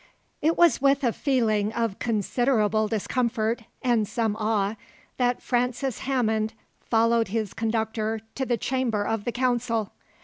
It was with a feeling of considerable discomfort, and some awe, that Francis Hammond followed his conductor to the chamber of the Council.